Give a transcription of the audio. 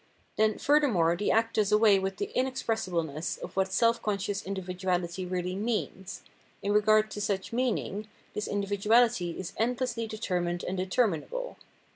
Then furthermore the act does away with the inexpressibleness of what self conscious individuality really " means "; in regard to such " meaning," this in dividuahty is endlessly determined and determinable.